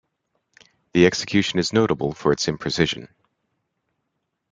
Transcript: The execution is notable for its imprecision.